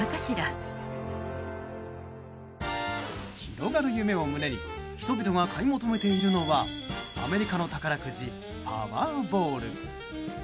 広がる夢を胸に人々が買い求めているのはアメリカの宝くじパワーボール。